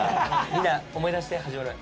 みんな思い出して始まる前。